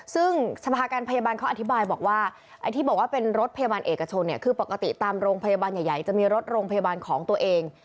ซึ่งสภาการพยาบาลเขาอธิบายบอกว่าไอ้ที่บอกว่าเป็นรถพยาบาลเอกชนเนี่ยคือปกติตามโรงพยาบาลใหญ่จะมีรถโรงพยาบาลของตัวเอง